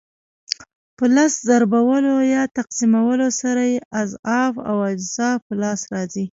په لس ضربولو یا تقسیمولو سره یې اضعاف او اجزا په لاس راځي.